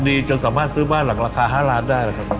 ดีจนสามารถซื้อบ้านหลังราคา๕ล้านได้นะครับ